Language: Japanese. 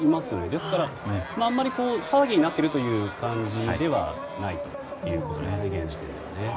ですから、あんまり騒ぎになっているという感じではないですね、現時点では。